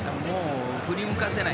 振り向かせない。